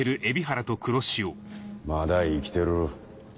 まだ生きてる。